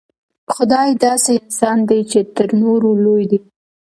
خدای داسې انسان دی چې تر نورو لوی دی.